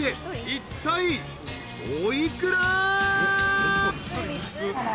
いったいお幾ら？］